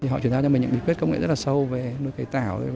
họ chuyên gia cho mình những bí quyết công nghệ rất là sâu về nuôi cây tảo